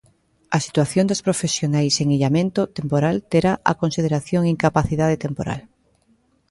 "A situación das profesionais en illamento temporal terá a consideración incapacidade temporal".